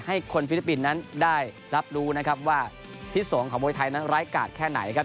ให้คนฟิลิปปินส์นั้นได้รับรู้นะครับว่าทิศสงฆ์ของมวยไทยนั้นร้ายกาดแค่ไหนครับ